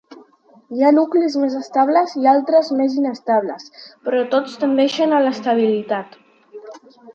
Hi ha nuclis més estables i altres més inestables però tots tendeixen a l'estabilitat.